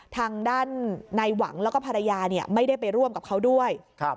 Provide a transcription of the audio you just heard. ทางด้านนายหวังแล้วก็ภรรยาเนี่ยไม่ได้ไปร่วมกับเขาด้วยครับ